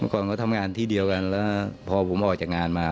ก่อนเขาทำงานที่เดียวกันแล้วพอผมออกจากงานมา